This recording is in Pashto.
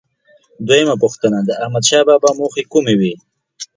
دویمه پوښتنه: د احمدشاه بابا موخې کومې وې؟